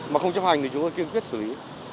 mà không chấp hành thì chúng tôi kiên quyết xử lý